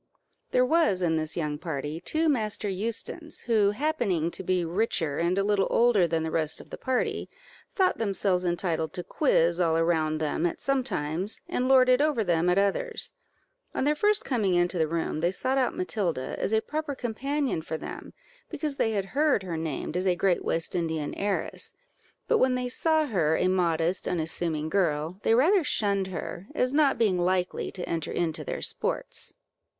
There was in this young party two Master Eustons, who, happening to be richer and a little older than the rest of the party, thought themselves entitled to quiz all around them at some times, and lord it over them at others. On their first coming into the room, they sought out Matilda, as a proper companion for them, because they had heard her named as a great West Indian heiress; but when they saw her a modest, unassuming girl, they rather shunned her, as not being likely to enter into their sports.